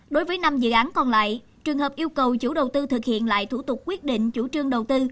đối với năm dự án còn lại trường hợp yêu cầu chủ đầu tư thực hiện lại thủ tục quyết định chủ trương đầu tư